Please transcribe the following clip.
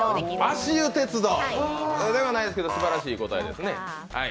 足湯鉄道ではないですけど、すばらしい答えです。